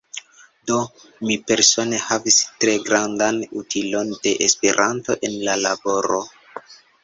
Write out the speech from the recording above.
Do mi persone havis tre grandan utilon de Esperanto en la laboro.